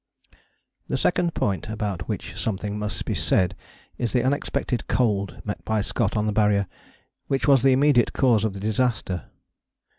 The second point about which something must be said is the unexpected cold met by Scott on the Barrier, which was the immediate cause of the disaster.